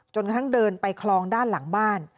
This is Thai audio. กระทั่งเดินไปคลองด้านหลังบ้าน